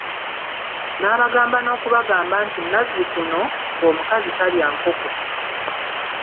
N'abagamba n'okubagamba nti nazzikuno, ng'omukazi talya nkoko.